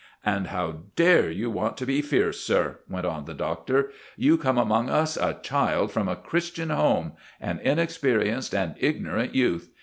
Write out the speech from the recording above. "And how dare you want to be fierce, sir?" went on the Doctor. "You come among us a child from a Christian home—an inexperienced and ignorant youth.